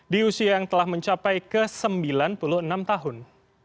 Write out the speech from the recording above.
di usia yang telah mencapai ke sembilan puluh enam tahun